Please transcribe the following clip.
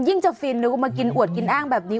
ยิ่งจะฟินนึกว่ามากินอวดกินแอ้งแบบนี้